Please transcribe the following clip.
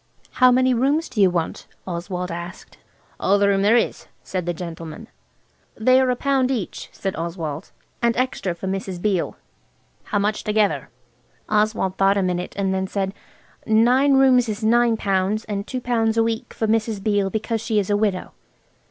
"How many rooms do you want?" Oswald asked. "All the room there is," said the gentleman. "They are a pound each," said Oswald, "and extra for Mrs. Beale." "How much altogether?" "HOW MUCH?" SAID THE GENTLEMAN SHORTLY. Oswald thought a minute and then said "Nine rooms is nine pounds, and two pounds a week for Mrs. Beale because she is a widow."